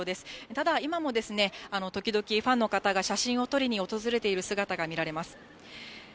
ただ、今も時々ファンの方が写真を撮りに訪れている姿が見られます。